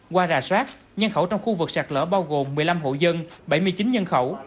qua rà soát nhân khẩu trong khu vực sạt lở bao gồm một mươi năm hộ dân bảy mươi chín nhân khẩu